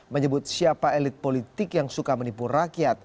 menyebut siapa elit politik yang suka menipu rakyat